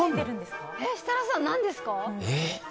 設楽さん、何ですか？